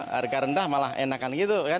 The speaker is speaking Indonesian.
harga rendah malah enakan